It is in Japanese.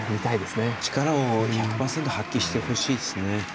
力１００％発揮してほしいですね。